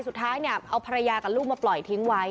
สุดท้ายเนี่ยเอาภรรยากับลูกมาปล่อยทิ้งไว้